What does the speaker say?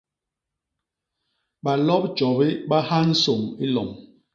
Balop tjobi ba nha nsôñ i lom.